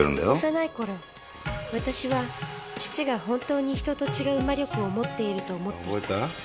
幼い頃私は父が本当に人と違う魔力を持っていると思っていた